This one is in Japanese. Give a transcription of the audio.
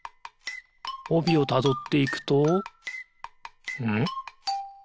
おびをたどっていくとんっ？